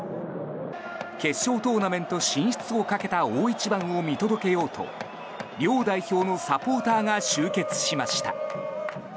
決勝トーナメント進出をかけた大一番を見届けようと両代表のサポーターが集結しました。